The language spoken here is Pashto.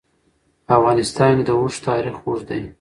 په افغانستان کې د اوښ تاریخ اوږد دی.